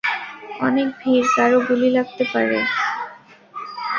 অনেক ভিড়, কারো গুলি লাগতে পারে!